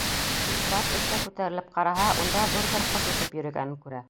Синдбад өҫкә күтәрелеп ҡараһа, унда ҙур бер ҡош осоп йөрөгәнен күрә.